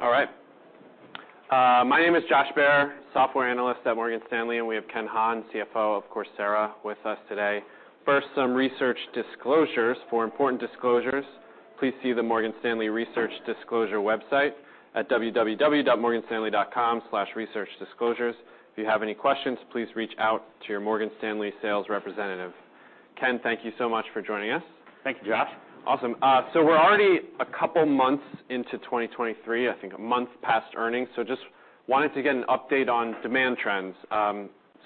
All right. My name is Josh Baer, Software Analyst at Morgan Stanley, and we have Ken Hahn, CFO of Coursera, with us today. First, some research disclosures. For important disclosures, please see the Morgan Stanley Research Disclosure website at www.morganstanley.com/researchdisclosures. If you have any questions, please reach out to your Morgan Stanley sales representative. Ken, thank you so much for joining us. Thank you, Josh. Awesome. We're already a couple months into 2023, I think a month past earnings. Just wanted to get an update on demand trends.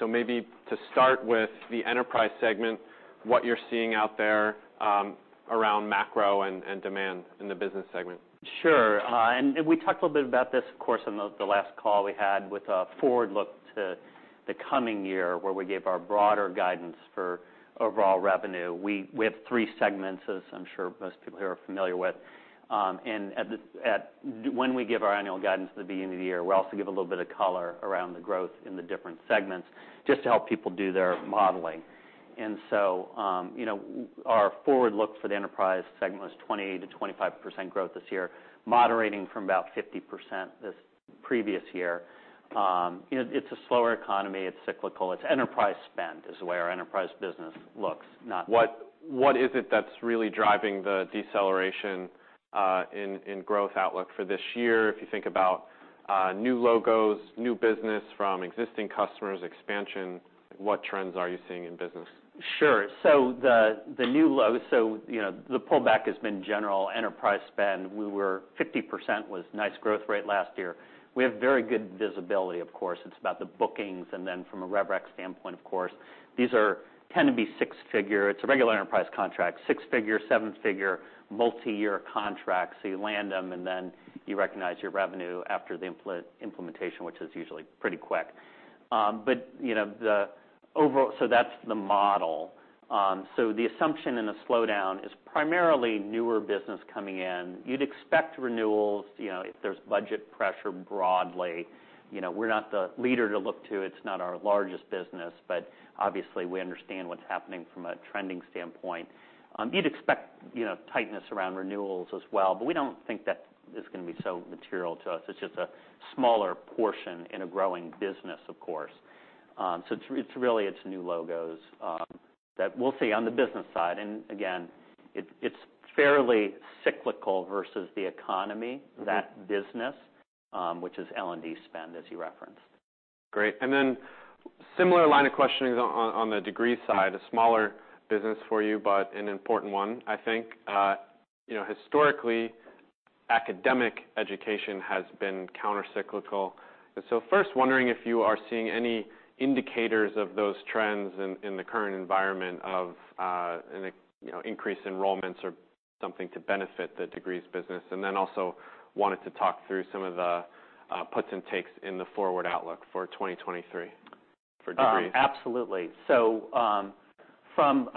Maybe to start with the enterprise segment, what you're seeing out there, around macro and demand in the business segment. Sure. We talked a little bit about this, of course, on the last call we had with a forward look to the coming year, where we gave our broader guidance for overall revenue. We have three segments, as I'm sure most people here are familiar with. When we give our annual guidance at the beginning of the year, we also give a little bit of color around the growth in the different segments just to help people do their modeling. You know, our forward look for the enterprise segment was 20%-25% growth this year, moderating from about 50% this previous year. You know, it's a slower economy, it's cyclical, it's enterprise spend is the way our enterprise business looks, not. What is it that's really driving the deceleration in growth outlook for this year? If you think about new logos, new business from existing customers, expansion, what trends are you seeing in business? Sure. You know, the pullback has been general enterprise spend. We were... 50% was nice growth rate last year. We have very good visibility, of course. It's about the bookings, and then from a rev rec standpoint, of course. These tend to be six-figure. It's a regular enterprise contract, six-figure, seven-figure, multiyear contracts. You land them, and then you recognize your revenue after the implementation, which is usually pretty quick. You know, the over... That's the model. The assumption in a slowdown is primarily newer business coming in. You'd expect renewals, you know, if there's budget pressure broadly. You know, we're not the leader to look to, it's not our largest business, but obviously we understand what's happening from a trending standpoint. You'd expect, you know, tightness around renewals as well, but we don't think that is gonna be so material to us. It's just a smaller portion in a growing business, of course. So it's really, it's new logos, that we'll see on the business side. Again, it's fairly cyclical versus the economy. Mm-hmm. -that business, which is L&D spend, as you referenced. Great. Similar line of questioning on the degree side, a smaller business for you, but an important one, I think. You know, historically, academic education has been countercyclical. First, wondering if you are seeing any indicators of those trends in the current environment of, you know, increased enrollments or something to benefit the degrees business. Also wanted to talk through some of the puts and takes in the forward outlook for 2023 for degrees. Absolutely. From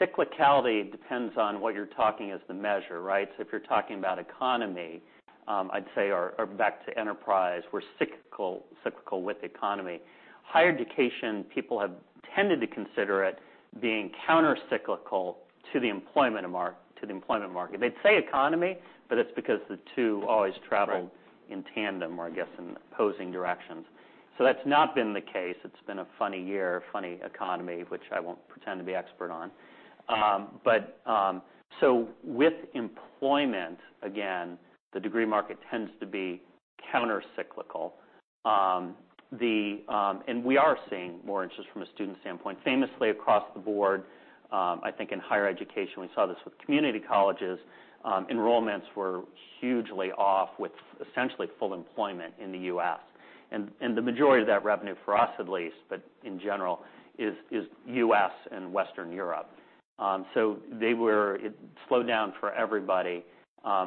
cyclicality, it depends on what you're talking as the measure, right? If you're talking about economy, I'd say or back to enterprise, we're cyclical with the economy. Higher education, people have tended to consider it being countercyclical to the employment market. They'd say economy, but it's because the two always travel. Right. in tandem or I guess in opposing directions. That's not been the case. It's been a funny year, a funny economy, which I won't pretend to be expert on. But with employment, again, the degree market tends to be countercyclical. We are seeing more interest from a student standpoint. Famously across the board, I think in higher education, we saw this with community colleges, enrollments were hugely off with essentially full employment in the U.S. The majority of that revenue, for us at least, but in general, is U.S. and Western Europe. It slowed down for everybody.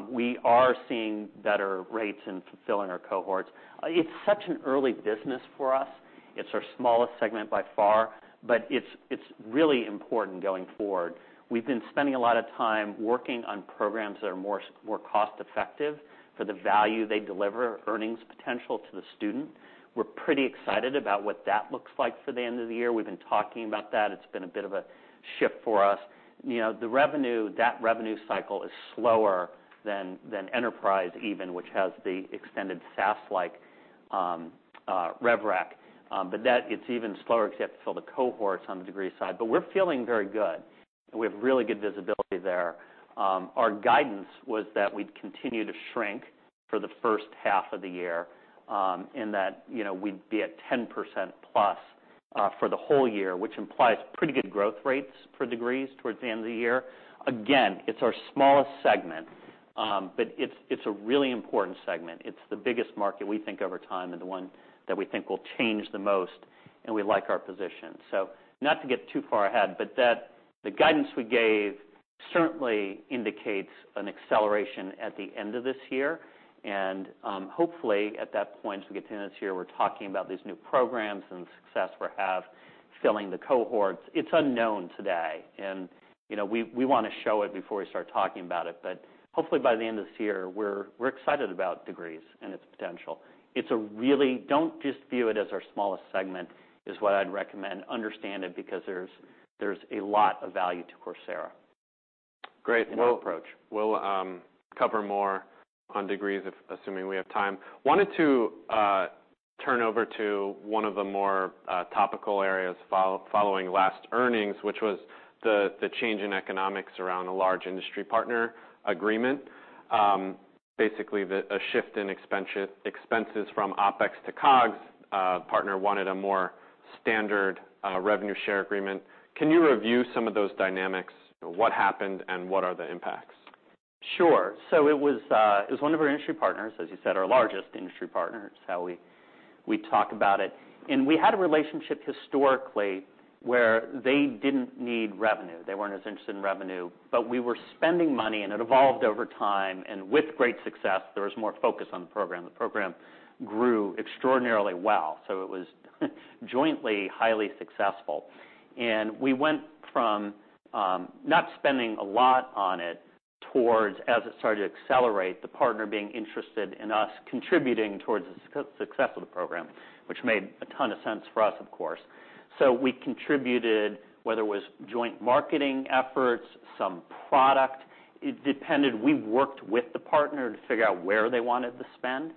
We are seeing better rates in fulfilling our cohorts. It's such an early business for us. It's our smallest segment by far, but it's really important going forward. We've been spending a lot of time working on programs that are more cost-effective for the value they deliver, earnings potential to the student. We're pretty excited about what that looks like for the end of the year. We've been talking about that. It's been a bit of a shift for us. You know, the revenue, that revenue cycle is slower than enterprise even, which has the extended SaaS-like rev rec. That it's even slower 'cause you have to fill the cohorts on the degree side. We're feeling very good, and we have really good visibility there. Our guidance was that we'd continue to shrink for the first half of the year, in that, you know, we'd be at 10%+ for the whole year, which implies pretty good growth rates for degrees towards the end of the year. Again, it's our smallest segment, but it's a really important segment. It's the biggest market we think over time, and the one that we think will change the most, and we like our position. Not to get too far ahead, but the guidance we gave certainly indicates an acceleration at the end of this year, and, hopefully at that point, as we get to the end of this year, we're talking about these new programs and the success we're have filling the cohorts. It's unknown today, you know, we wanna show it before we start talking about it. Hopefully by the end of this year, we're excited about degrees and its potential. Don't just view it as our smallest segment is what I'd recommend. Understand it because there's a lot of value to Coursera. Great. New approach.... we'll cover more on degrees if assuming we have time. Wanted to turn over to one of the more topical areas following last earnings, which was the change in economics around a large industry partner agreement. Basically a shift in expenses from OpEx to COGS. Partner wanted a more standard revenue share agreement. Can you review some of those dynamics? What happened, and what are the impacts? Sure. It was one of our industry partners, as you said, our largest industry partner, is how we talk about it. We had a relationship historically where they didn't need revenue. They weren't as interested in revenue, but we were spending money, and it evolved over time, and with great success, there was more focus on the program. The program grew extraordinarily well, so it was jointly highly successful. We went from not spending a lot on it towards, as it started to accelerate, the partner being interested in us contributing towards the success of the program, which made a ton of sense for us, of course. We contributed, whether it was joint marketing efforts, some product, it depended. We worked with the partner to figure out where they wanted to spend.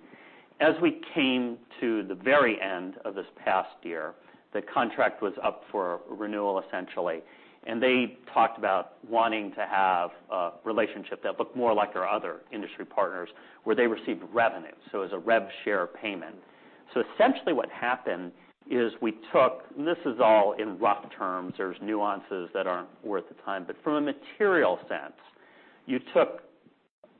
As we came to the very end of this past year, the contract was up for renewal, essentially, and they talked about wanting to have a relationship that looked more like our other industry partners, where they received revenue, so as a rev share payment. Essentially what happened is this is all in rough terms. There's nuances that aren't worth the time. From a material sense, you took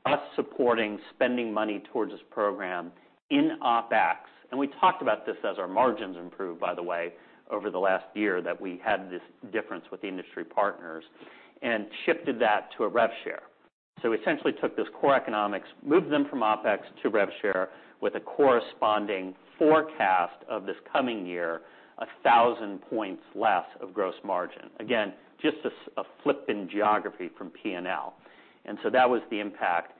us supporting spending money towards this program in OpEx. We talked about this as our margins improved, by the way, over the last year that we had this difference with industry partners and shifted that to a rev share. We essentially took those core economics, moved them from OpEx to rev share with a corresponding forecast of this coming year, 1,000 points less of gross margin. Again, just a flip in geography from P&L. That was the impact.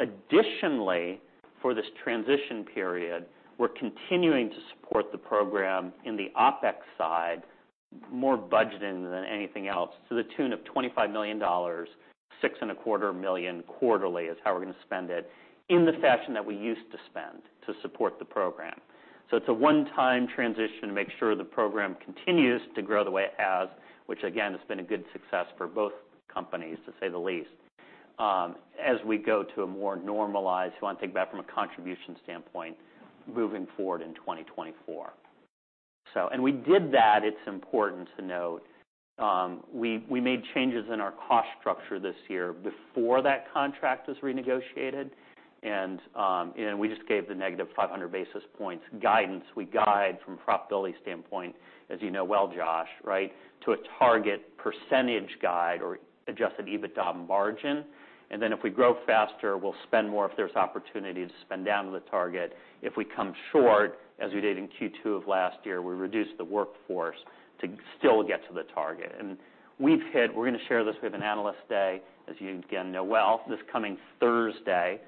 Additionally, for this transition period, we're continuing to support the program in the OpEx side, more budgeting than anything else, to the tune of $25 million, six and a quarter million quarterly is how we're gonna spend it, in the fashion that we used to spend to support the program. It's a one-time transition to make sure the program continues to grow the way it has, which again, has been a good success for both companies, to say the least, as we go to a more normalized, if you want to think about it from a contribution standpoint, moving forward in 2024. We did that, it's important to note, we made changes in our cost structure this year before that contract was renegotiated, we just gave the negative 500 basis points guidance. We guide from a profitability standpoint, as you know well, Josh, right? To a target percentage guide or adjusted EBITDA margin. If we grow faster, we'll spend more if there's opportunity to spend down to the target. If we come short, as we did in Q2 of last year, we reduce the workforce to still get to the target. We're gonna share this. We have an analyst day, as you again know well, this coming Thursday,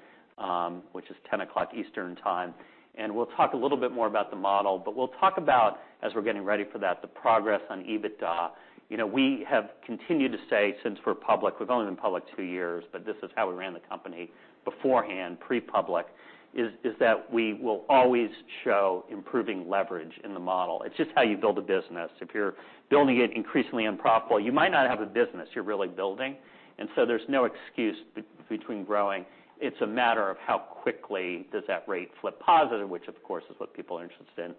which is 10:00 A.M. Eastern Time. We'll talk a little bit more about the model, but we'll talk about, as we're getting ready for that, the progress on EBITDA. You know, we have continued to say, since we're public, we've only been public two years, but this is how we ran the company beforehand, pre-public, is that we will always show improving leverage in the model. It's just how you build a business. If you're building it increasingly unprofitable, you might not have a business you're really building. There's no excuse between growing. It's a matter of how quickly does that rate flip positive, which of course is what people are interested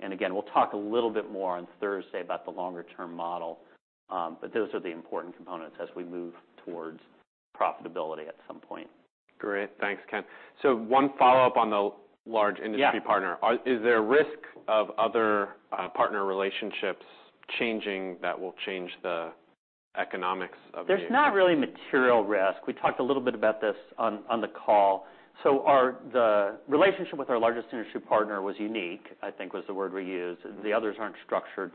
in. Again, we'll talk a little bit more on Thursday about the longer-term model. Those are the important components as we move towards profitability at some point. Great. Thanks, Ken. One follow-up on the large industry- Yeah... partner. Is there a risk of other, partner relationships changing that will change the economics? There's not really material risk. We talked a little bit about this on the call. The relationship with our largest industry partner was unique, I think was the word we used. The others aren't structured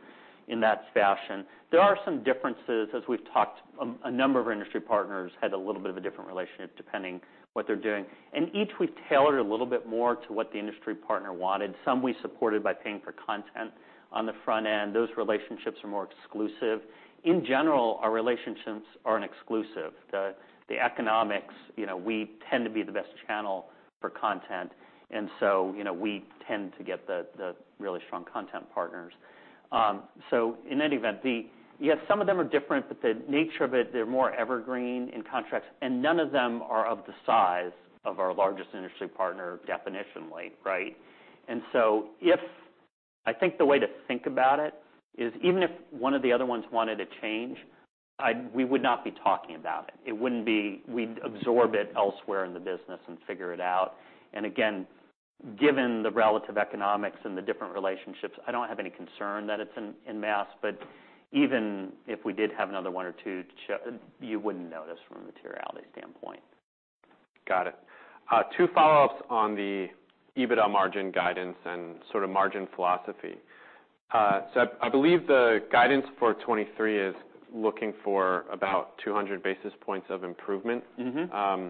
in that fashion. There are some differences. As we've talked, a number of our industry partners had a little bit of a different relationship depending what they're doing. Each we've tailored a little bit more to what the industry partner wanted. Some we supported by paying for content on the front end. Those relationships are more exclusive. In general, our relationships are an exclusive. The economics, you know, we tend to be the best channel for content, you know, we tend to get the really strong content partners. In any event, Yes, some of them are different, but the nature of it, they're more evergreen in contracts, and none of them are of the size of our largest industry partner definitionally, right? I think the way to think about it is even if one of the other ones wanted a change, we would not be talking about it. We'd absorb it elsewhere in the business and figure it out. Again, given the relative economics and the different relationships, I don't have any concern that it's en masse. Even if we did have another one or two, you wouldn't notice from a materiality standpoint. Got it. Two follow-ups on the EBITDA margin guidance and sort of margin philosophy. I believe the guidance for 2023 is looking for about 200 basis points of improvement. Mm-hmm.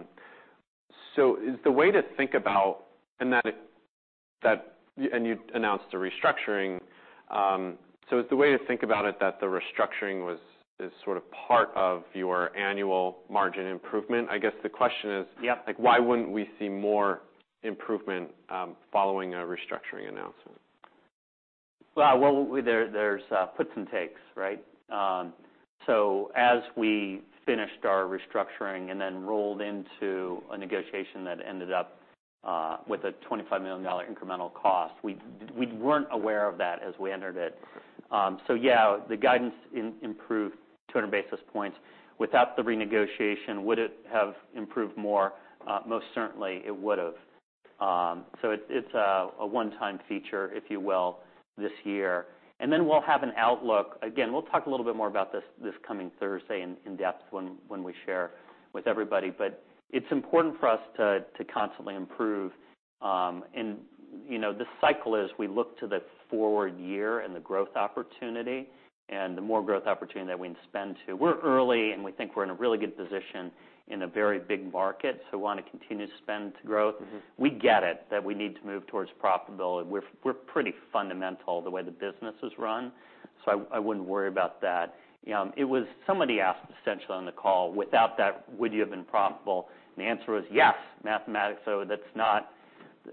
is the way to think about... and you announced a restructuring, so is the way to think about it that the restructuring was, is sort of part of your annual margin improvement? I guess the question is- Yeah. Like, why wouldn't we see more improvement, following a restructuring announcement? Well, there's puts and takes, right? As we finished our restructuring and then rolled into a negotiation that ended up with a $25 million incremental cost, we weren't aware of that as we entered it. Yeah, the guidance improved 200 basis points. Without the renegotiation, would it have improved more? Most certainly, it would've. It's a one-time feature, if you will, this year. Then we'll have an outlook. Again, we'll talk a little bit more about this coming Thursday in-depth when we share with everybody. It's important for us to constantly improve. You know, the cycle is we look to the forward year and the growth opportunity, and the more growth opportunity that we can spend to. We're early, and we think we're in a really good position in a very big market, so we wanna continue to spend to growth. Mm-hmm. We get it, that we need to move towards profitability. We're pretty fundamental the way the business is run, so I wouldn't worry about that. somebody asked essentially on the call, without that, would you have been profitable? The answer is yes, mathematics.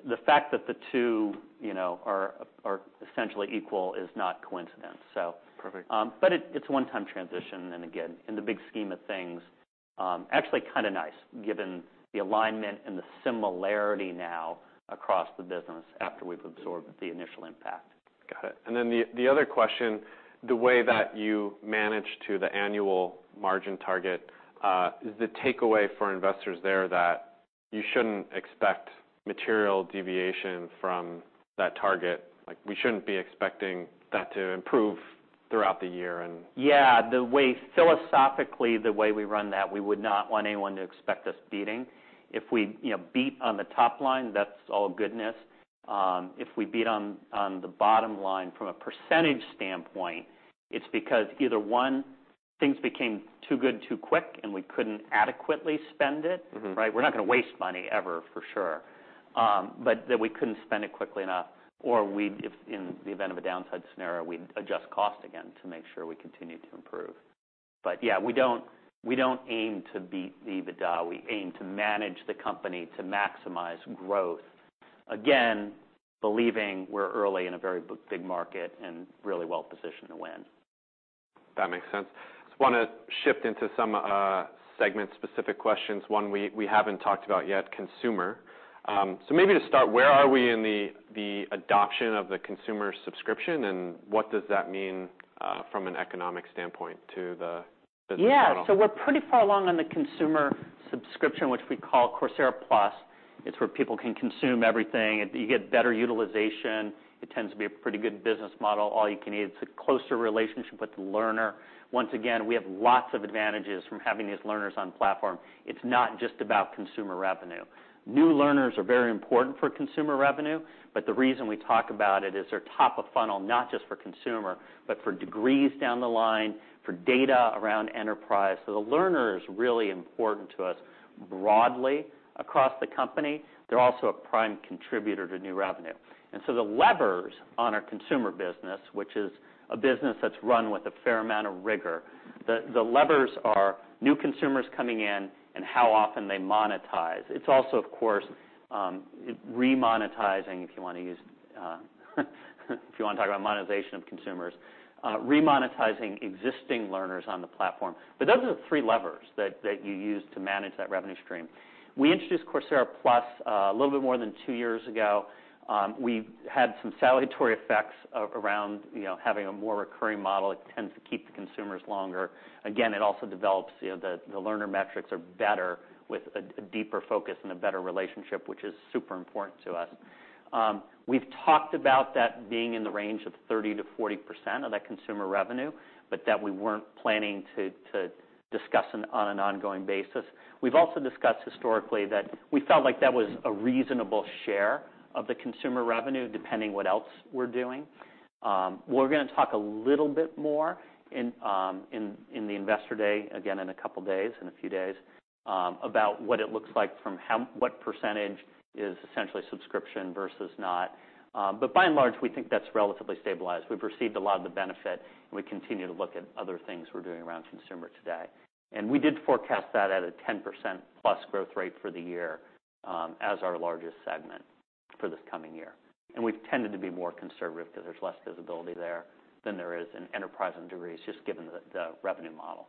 The fact that the two, you know, are essentially equal is not coincidence. Perfect. It's a one-time transition. Again, in the big scheme of things, actually kind of nice given the alignment and the similarity now across the business after we've absorbed the initial impact. Got it. The other question, the way that you manage to the annual margin target, is the takeaway for investors there that you shouldn't expect material deviation from that target? Like, we shouldn't be expecting that to improve throughout the year. Yeah. The way philosophically, the way we run that, we would not want anyone to expect us beating. If we, you know, beat on the top line, that's all goodness. If we beat on the bottom line from a percentage standpoint, it's because either, one, things became too good too quick, and we couldn't adequately spend it. Mm-hmm. Right? We're not gonna waste money ever, for sure. That we couldn't spend it quickly enough, or we'd, if in the event of a downside scenario, we'd adjust cost again to make sure we continue to improve. Yeah, we don't, we don't aim to beat the EBITDA. We aim to manage the company to maximize growth. Again, believing we're early in a very big market and really well-positioned to win. That makes sense. Just wanna shift into some segment-specific questions. One we haven't talked about yet, consumer. Maybe to start, where are we in the adoption of the consumer subscription, and what does that mean from an economic standpoint to the business model? We're pretty far along on the consumer subscription, which we call Coursera Plus. It's where people can consume everything. You get better utilization. It tends to be a pretty good business model, all you can eat. It's a closer relationship with the learner. Once again, we have lots of advantages from having these learners on platform. It's not just about consumer revenue. New learners are very important for consumer revenue. The reason we talk about it is they're top of funnel, not just for consumer, but for degrees down the line, for data around enterprise. The learner is really important to us broadly across the company. They're also a prime contributor to new revenue. The levers on our consumer business, which is a business that's run with a fair amount of rigor, the levers are new consumers coming in and how often they monetize. It's also, of course, remonetizing, if you wanna use, if you wanna talk about monetization of consumers, remonetizing existing learners on the platform. Those are the three levers that you use to manage that revenue stream. We introduced Coursera Plus, a little bit more than two years ago. We had some salutatory effects around, you know, having a more recurring model. It tends to keep the consumers longer. Again, it also develops, you know, the learner metrics are better with a deeper focus and a better relationship, which is super important to us. We've talked about that being in the range of 30%-40% of that consumer revenue, but that we weren't planning to discuss on an ongoing basis. We've also discussed historically that we felt like that was a reasonable share of the consumer revenue, depending what else we're doing. We're gonna talk a little bit more in the investor day, again in a couple of days, in a few days, about what it looks like from what percentage is essentially subscription versus not. By and large, we think that's relatively stabilized. We've received a lot of the benefit, and we continue to look at other things we're doing around consumer today. We did forecast that at a 10%+ growth rate for the year, as our largest segment for this coming year. We've tended to be more conservative 'cause there's less visibility there than there is in enterprise and degrees, just given the revenue model.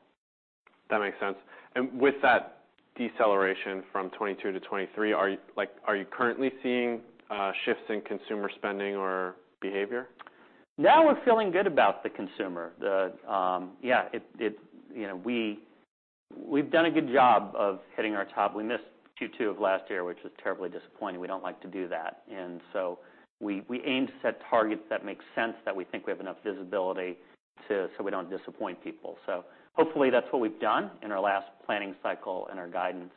That makes sense. With that deceleration from 2022 to 2023, are you, like currently seeing shifts in consumer spending or behavior? Now we're feeling good about the consumer. Yeah, it, you know, we've done a good job of hitting our top. We missed Q2 of last year, which was terribly disappointing. We don't like to do that. We aim to set targets that make sense, that we think we have enough visibility to, so we don't disappoint people. Hopefully, that's what we've done in our last planning cycle and our guidance.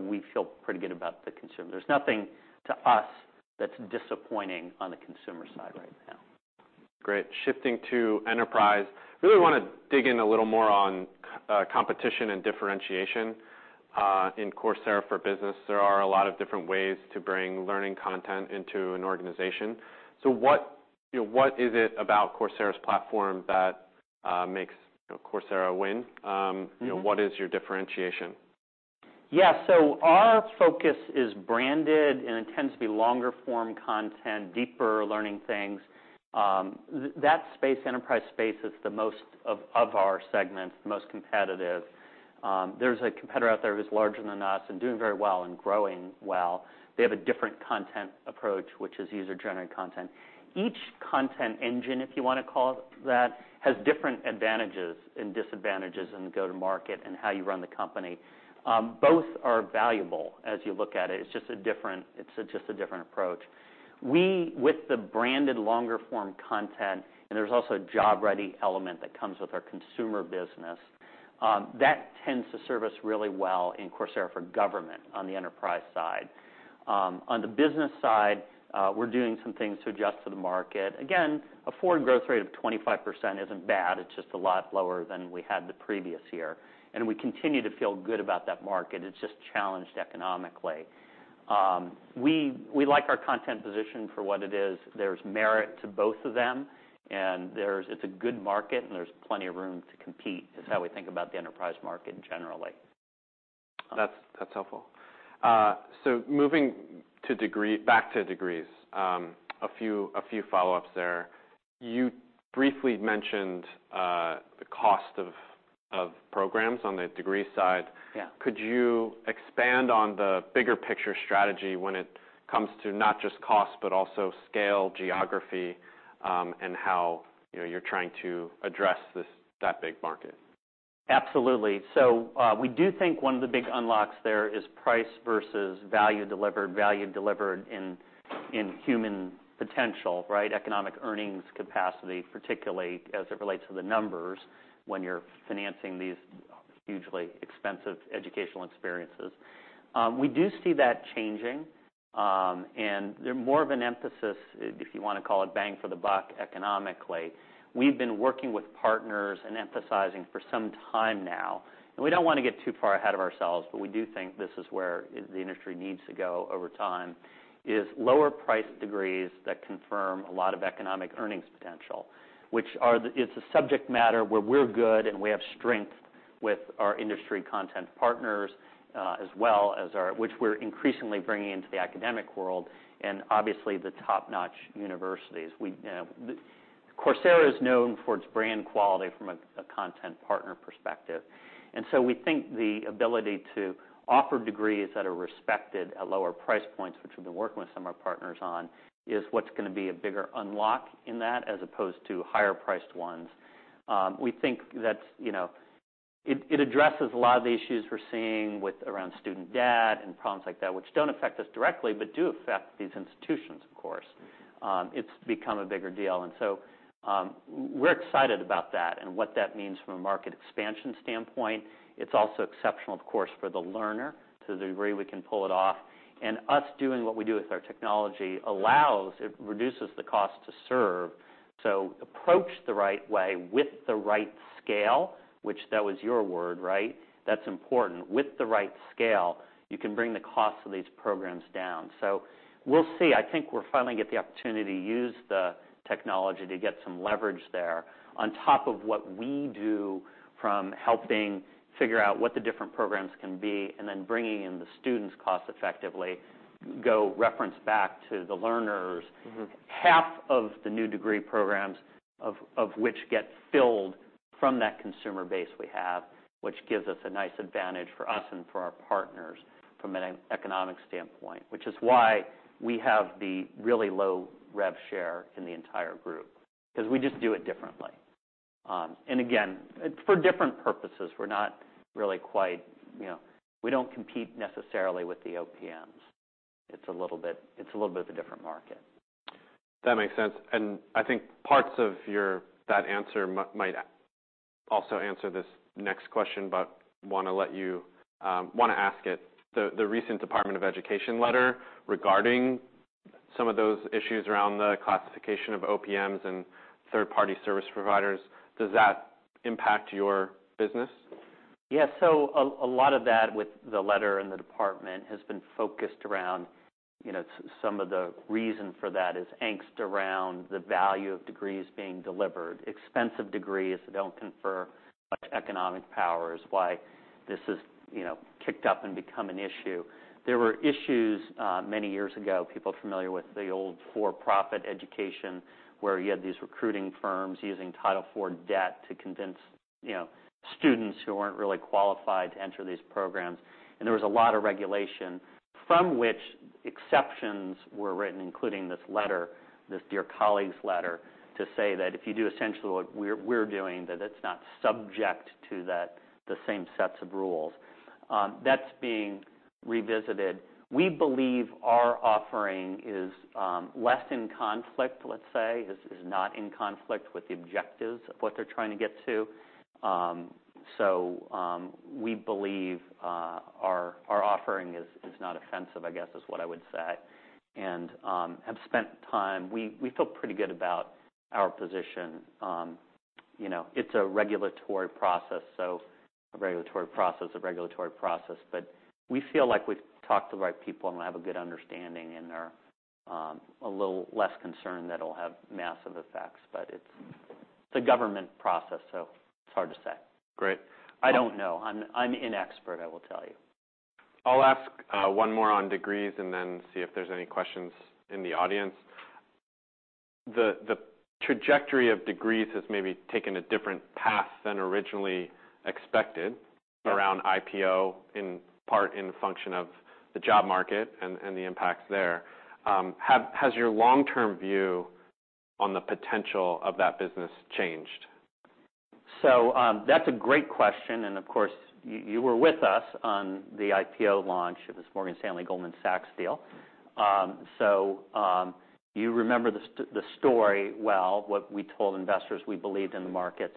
We feel pretty good about the consumer. There's nothing to us that's disappointing on the consumer side right now. Great. Shifting to enterprise, really wanna dig in a little more on competition and differentiation in Coursera for Business. There are a lot of different ways to bring learning content into an organization. What, you know, what is it about Coursera's platform that makes, you know, Coursera win? Mm-hmm. You know, what is your differentiation? Our focus is branded, and it tends to be longer form content, deeper learning things. That space, enterprise space, is the most of our segments, the most competitive. There's a competitor out there who's larger than us and doing very well and growing well. They have a different content approach, which is user-generated content. Each content engine, if you wanna call it that, has different advantages and disadvantages in go-to-market and how you run the company. Both are valuable as you look at it. It's just a different approach. We, with the branded longer form content, and there's also a job-ready element that comes with our consumer business, that tends to serve us really well in Coursera for Government on the enterprise side. On the business side, we're doing some things to adjust to the market. A forward growth rate of 25% isn't bad, it's just a lot lower than we had the previous year, and we continue to feel good about that market. It's just challenged economically. We like our content position for what it is. There's merit to both of them, and it's a good market, and there's plenty of room to compete, is how we think about the enterprise market generally. That's helpful. Moving back to degrees, a few follow-ups there. You briefly mentioned the cost of programs on the degree side. Yeah. Could you expand on the bigger picture strategy when it comes to not just cost, but also scale, geography, and how, you know, you're trying to address that big market? Absolutely. We do think one of the big unlocks there is price versus value delivered, value delivered in human potential, right? Economic earnings capacity, particularly as it relates to the numbers when you're financing these hugely expensive educational experiences. We do see that changing, and they're more of an emphasis, if you wanna call it bang for the buck economically. We've been working with partners and emphasizing for some time now. We don't wanna get too far ahead of ourselves. We do think this is where the industry needs to go over time, is lower priced degrees that confirm a lot of economic earnings potential, which are the subject matter where we're good, and we have strength with our industry content partners, as well as our, which we're increasingly bringing into the academic world and obviously the top-notch universities. We Coursera is known for its brand quality from a content partner perspective. We think the ability to offer degrees that are respected at lower price points, which we've been working with some of our partners on, is what's gonna be a bigger unlock in that, as opposed to higher priced ones. We think that, you know, it addresses a lot of the issues we're seeing with around student debt and problems like that, which don't affect us directly, but do affect these institutions, of course. It's become a bigger deal. We're excited about that and what that means from a market expansion standpoint. It's also exceptional, of course, for the learner to the degree we can pull it off and us doing what we do with our technology allows it reduces the cost to serve. Approached the right way with the right scale, which that was your word, right? That's important. With the right scale, you can bring the cost of these programs down. We'll see. I think we're finally get the opportunity to use the technology to get some leverage there on top of what we do from helping figure out what the different programs can be, and then bringing in the students cost effectively, go reference back to the learners. Mm-hmm. Half of the new degree programs of which get filled from that consumer base we have, which gives us a nice advantage for us and for our partners from an economic standpoint, which is why we have the really low rev share in the entire group, 'cause we just do it differently. Again, for different purposes. We're not really quite, you know, we don't compete necessarily with the OPMs. It's a little bit of a different market. That makes sense. I think parts of that answer might also answer this next question, but wanna ask it. The recent Department of Education letter regarding some of those issues around the classification of OPMs and third-party service providers, does that impact your business? A lot of that with the Letter and the Department has been focused around, you know, some of the reason for that is angst around the value of degrees being delivered. Expensive degrees that don't confer much economic power is why this has, you know, kicked up and become an issue. There were issues many years ago. People familiar with the old for-profit education, where you had these recruiting firms using Title IV debt to convince, you know, students who weren't really qualified to enter these programs. There was a lot of regulation from which exceptions were written, including this Letter, this Dear Colleague Letter, to say that if you do essentially what we're doing, that it's not subject to the same sets of rules. That's being revisited. We believe our offering is less in conflict, let's say, is not in conflict with the objectives of what they're trying to get to. We believe our offering is not offensive, I guess is what I would say. Have spent time. We feel pretty good about our position on, you know, it's a regulatory process. We feel like we've talked to the right people and have a good understanding and are a little less concerned that it'll have massive effects. It's the government process, so it's hard to say. Great. I don't know. I'm inexpert, I will tell you. I'll ask, one more on degrees and then see if there's any questions in the audience. The trajectory of degrees has maybe taken a different path than originally expected. Yeah. Around IPO, in part in the function of the job market and the impacts there. Has your long-term view on the potential of that business changed? That's a great question, and of course, you were with us on the IPO launch. It was Morgan Stanley, Goldman Sachs deal. You remember the story well, what we told investors we believed in the market.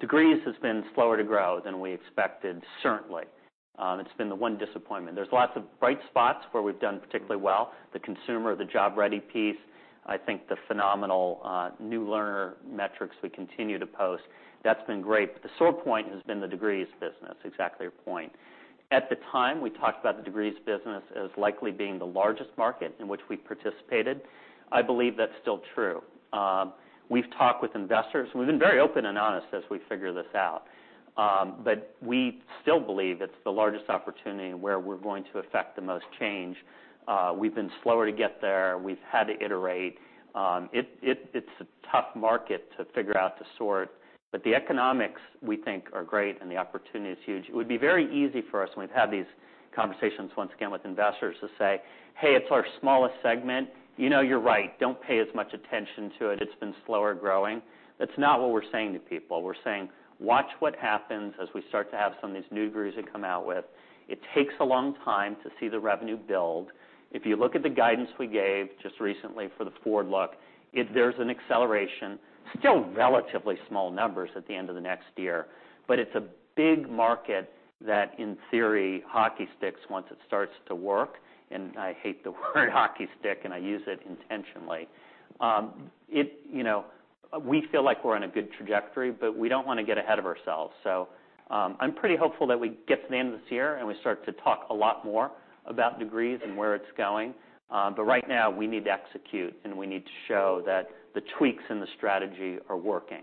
Degrees has been slower to grow than we expected, certainly. It's been the one disappointment. There's lots of bright spots where we've done particularly well, the consumer, the job-ready piece. I think the phenomenal new learner metrics we continue to post, that's been great. The sore point has been the degrees business, exactly your point. At the time, we talked about the degrees business as likely being the largest market in which we participated. I believe that's still true. We've talked with investors. We've been very open and honest as we figure this out. We still believe it's the largest opportunity where we're going to affect the most change. We've been slower to get there. We've had to iterate. It's a tough market to figure out, to sort, but the economics, we think are great, and the opportunity is huge. It would be very easy for us when we've had these conversations once again with investors to say, "Hey, it's our smallest segment. You know, you're right. Don't pay as much attention to it. It's been slower growing." That's not what we're saying to people. We're saying, "Watch what happens as we start to have some of these new degrees to come out with." It takes a long time to see the revenue build. If you look at the guidance we gave just recently for the forward look, there's an acceleration, still relatively small numbers at the end of the next year, but it's a big market that in theory, hockey sticks once it starts to work, and I hate the word hockey stick, and I use it intentionally. It, you know, we feel like we're on a good trajectory, but we don't wanna get ahead of ourselves. I'm pretty hopeful that we get to the end of this year, and we start to talk a lot more about degrees and where it's going. Right now we need to execute, and we need to show that the tweaks in the strategy are working.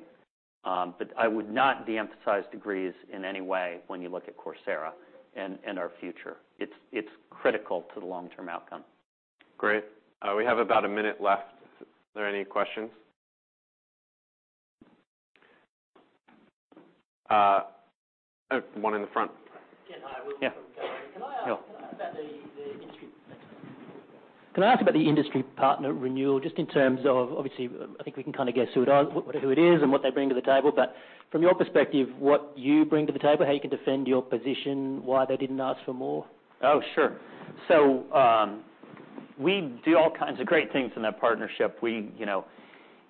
I would not de-emphasize degrees in any way when you look at Coursera and our future. It's critical to the long-term outcome. Great. We have about a minute left. Are there any questions? Oh, one in the front. Ken, hi. Yeah. Will from Cowen. Can I ask- Will. Can I ask about the industry partner renewal, just in terms of obviously, I think we can kinda guess who it is and what they bring to the table, but from your perspective, what you bring to the table, how you can defend your position, why they didn't ask for more? Sure. We do all kinds of great things in that partnership. We, you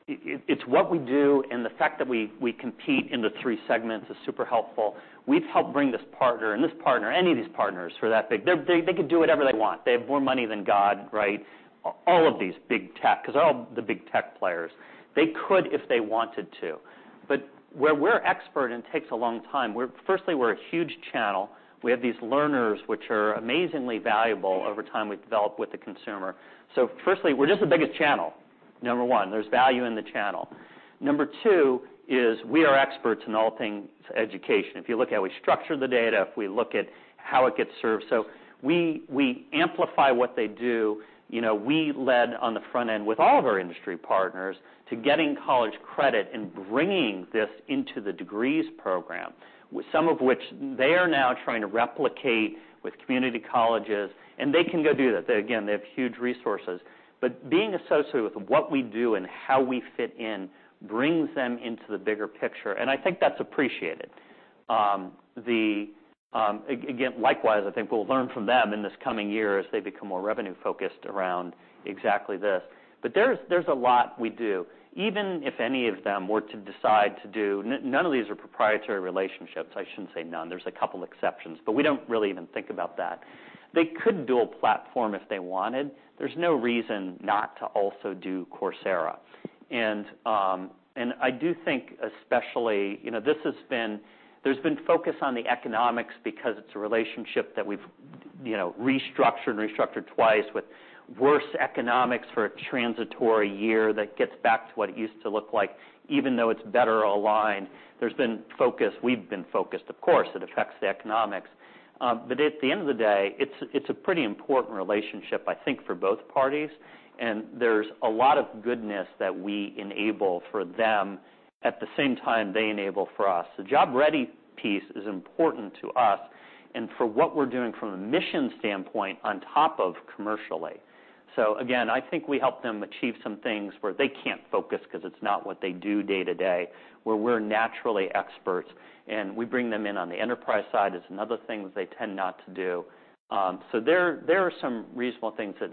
know, it's what we do and the fact that we compete in the three segments is super helpful. We've helped bring this partner and this partner, any of these partners. They could do whatever they want. They have more money than God, right? All of these big tech, 'cause they're all the big tech players. They could if they wanted to. Where we're expert, and it takes a long time, firstly, we're a huge channel. We have these learners, which are amazingly valuable over time we've developed with the consumer. firstly, we're just the biggest channel, number one. There's value in the channel. Number two is we are experts in all things education. If you look at how we structure the data, if we look at how it gets served. We amplify what they do. You know, we led on the front end with all of our industry partners to getting college credit and bringing this into the degrees program, some of which they are now trying to replicate with community colleges, and they can go do that. They have huge resources. Being associated with what we do and how we fit in brings them into the bigger picture, and I think that's appreciated. The, likewise, I think we'll learn from them in this coming year as they become more revenue-focused around exactly this. There's a lot we do. Even if any of them were to decide to do... None of these are proprietary relationships. I shouldn't say none. There's a couple exceptions, but we don't really even think about that. They could do a platform if they wanted. There's no reason not to also do Coursera. I do think especially, you know, there's been focus on the economics because it's a relationship that we've, you know, restructured and restructured twice with worse economics for a transitory year that gets back to what it used to look like, even though it's better aligned. There's been focus. We've been focused, of course. It affects the economics. At the end of the day, it's a pretty important relationship, I think, for both parties, and there's a lot of goodness that we enable for them. At the same time, they enable for us. The job-ready piece is important to us and for what we're doing from a mission standpoint on top of commercially. Again, I think we help them achieve some things where they can't focus 'cause it's not what they do day-to-day, where we're naturally experts, and we bring them in on the enterprise side. It's another thing they tend not to do. There are some reasonable things that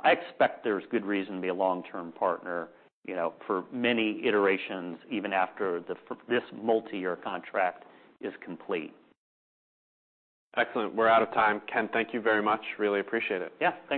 I expect there's good reason to be a long-term partner, you know, for many iterations, even after this multiyear contract is complete. Excellent. We're out of time. Ken, thank you very much. Really appreciate it. Yeah.